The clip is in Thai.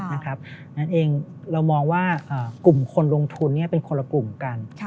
นั่นเองเรามองว่ากลุ่มคนลงทุนเป็นคนละกลุ่มกัน